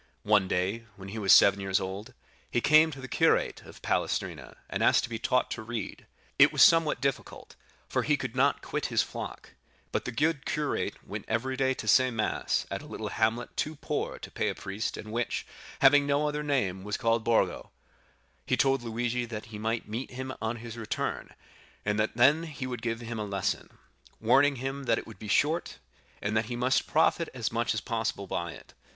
One day, when he was seven years old, he came to the curate of Palestrina, and asked to be taught to read; it was somewhat difficult, for he could not quit his flock; but the good curate went every day to say mass at a little hamlet too poor to pay a priest and which, having no other name, was called Borgo; he told Luigi that he might meet him on his return, and that then he would give him a lesson, warning him that it would be short, and that he must profit as much as possible by it.